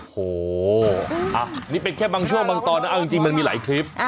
โอ้โหนี่เป็นแค่บางช่วงบางตอนนะเอาจริงมันมีหลายคลิป